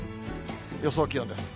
予想気温です。